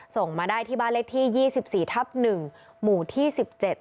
ส่งมาได้ที่บ้านเลขที่ยี่สิบสี่ทับหนึ่งหมู่ที่สิบเจ็ด